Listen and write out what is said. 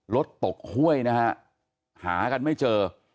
รถตกห้วยนะฮะหากันไม่เจอ